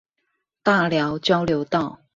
大寮交流道